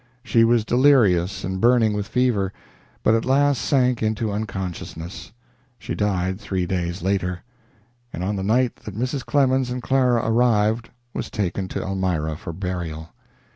She was delirious and burning with fever, but at last sank into unconsciousness. She died three days later, and on the night that Mrs. Clemens and Clara arrived was taken to Elmira for burial.